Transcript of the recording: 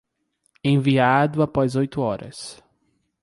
Enviado após oito horas